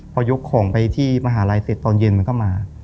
พอยกของไปที่มหาลัยเสร็จตอนเย็นมันก็มา